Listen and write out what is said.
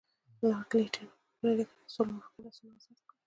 لارډ لیټن پخپله لیکي چې د سولې موافقې لاسونه ازاد کړل.